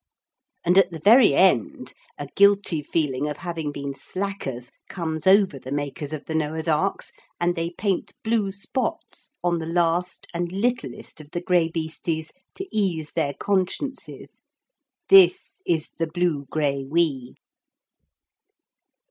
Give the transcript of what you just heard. And at the very end a guilty feeling of having been slackers comes over the makers of the Noah's arks, and they paint blue spots on the last and littlest of the graibeestes to ease their consciences. This is the blugraiwee.